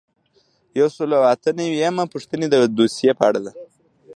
یو سل او اته نوي یمه پوښتنه د دوسیې په اړه ده.